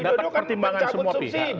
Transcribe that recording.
dapat pertimbangan semua